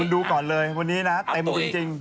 คุณดูก่อนเลยวันนี้นะเต็มมาดูจริง